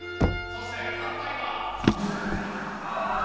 そして反対は。